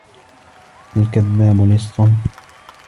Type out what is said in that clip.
الْكَذَّابُ لِصٌّ